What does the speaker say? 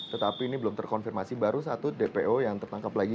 tetapi ini belum terkonfirmasi baru satu dpo yang tertangkap lagi